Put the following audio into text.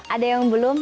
ada yang belum